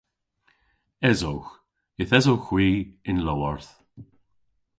Esowgh. Yth esowgh hwi y'n lowarth.